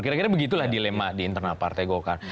kira kira begitulah dilema di internal partai golkar